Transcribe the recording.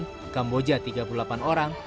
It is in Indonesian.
di sini kita bisa mengungkapkan data dari bnsp